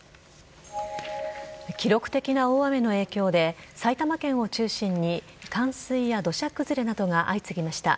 記録的な大雨の影響で埼玉県を中心に冠水や土砂崩れなどが相次ぎました。